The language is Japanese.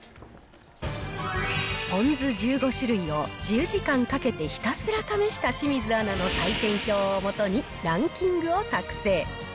ポン酢１５種類を１０時間かけてひたすら試した清水アナの採点表をもとにランキングを作成。